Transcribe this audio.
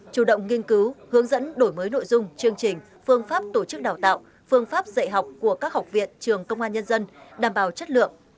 chủ động nghiên cứu hướng dẫn đổi mới nội dung chương trình phương pháp tổ chức đào tạo phương pháp dạy học của các học viện trường công an nhân dân đảm bảo chất lượng